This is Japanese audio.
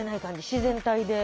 自然体で。